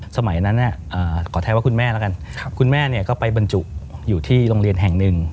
สมัยนั้นขอไทยว่าคุณแม่แล้วกันคุณแม่เนี่ยก็ไปบรรจุอยู่ที่โรงเรียนแห่งหนึ่ง